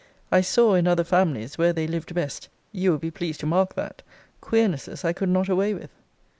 I saw in other families, where they lived best, you will be pleased to mark that, queernesses I could not away with.